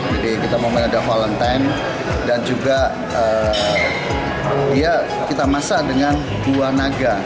jadi kita mau menjaga valentine dan juga kita masak dengan buah naga